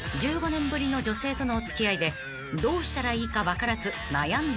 ［１５年ぶりの女性とのお付き合いでどうしたらいいか分からず悩んでいること］